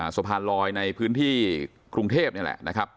สะพานลอยในพื้นที่กรุงเทพนี่แหละนะครับ